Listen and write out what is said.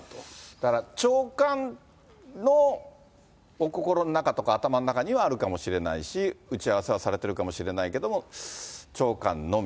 だから、長官のお心の中とか、頭の中にはあるかもしれないし、打ち合わせはされてるかもしれないけれども、長官のみ。